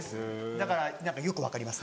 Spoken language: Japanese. だから何かよく分かります。